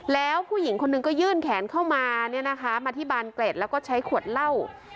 แล้วผู้หญิงคนหนึ่งก็ยื่นแขนเข้ามาเนี่ยนะคะมาที่บานเกร็ดแล้วก็ใช้ขวดเหล้า